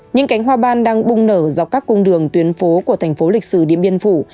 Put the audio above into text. những cánh hoa ban đang bung nở dọc các cung đường tuyến phố của thành phố lịch sử điện biên phủ